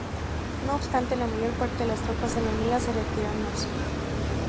No obstante, la mayor parte de las tropas enemigas se retiraron al sur.